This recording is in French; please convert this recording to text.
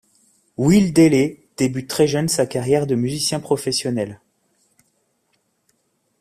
Will Dailey débute très jeune sa carrière de musicien professionnel.